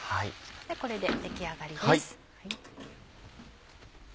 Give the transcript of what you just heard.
これで出来上がりです。